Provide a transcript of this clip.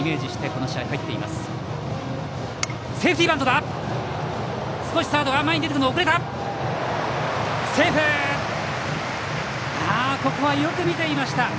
ここはよく見ていました。